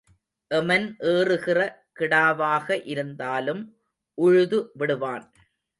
எமன் ஏறுகிற கிடாவாக இருந்தாலும் உழுது விடுவான்.